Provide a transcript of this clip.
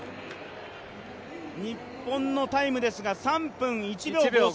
日本のタイムですが３分１秒５３。